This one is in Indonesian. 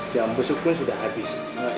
jam besok pun sudah habis